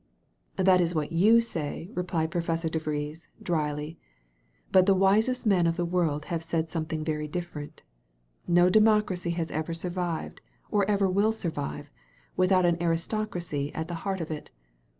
"That is what you say/* replied Professor De Vries dryly. "But the wisest men of the world have said something very different. No democracy ever has survived, or ever will survive, without an aristocracy at the heart of it.